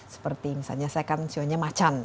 seperti misalnya saya kan show nya macan